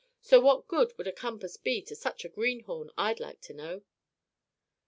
So what good would a compass be to such a greenhorn, I'd like to know?"